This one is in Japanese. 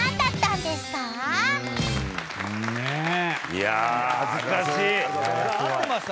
いや恥ずかしい！